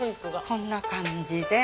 こんな感じで。